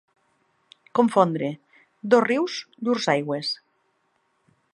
Confondre dos rius llurs aigües.